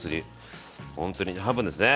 ほんとにね半分ですね。